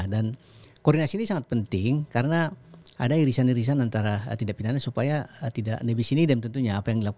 dan koordinasi ini sangat penting karena ada irisan irisan antara tindak pinjaman supaya tidak nebis ini dan tentunya